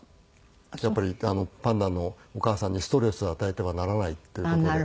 やっぱりパンダのお母さんにストレスを与えてはならないという事で。